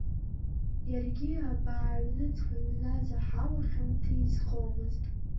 Иаргьы абааҩныҵҟа иҩназ аҳауа хьамҭа изхомызт.